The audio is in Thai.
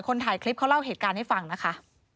ถ่ายคลิปเขาเล่าเหตุการณ์ให้ฟังนะคะ